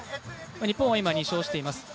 日本は今２勝しています。